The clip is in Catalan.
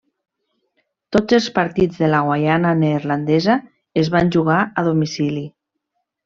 Tots els partits de la Guaiana Neerlandesa es van jugar a domicili.